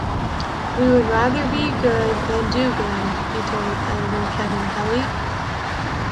"We would rather be good than do good", he told editor Kevin Kelly.